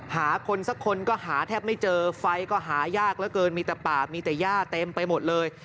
หาคนสักคนก็หาแทบไม่เจอไฟก็หายากเหลือเกินมีแต่ป่ามีแต่ย่าเต็มไปหมดเลย